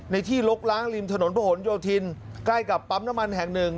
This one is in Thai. ที่ลกล้างริมถนนพระหลโยธินใกล้กับปั๊มน้ำมันแห่งหนึ่ง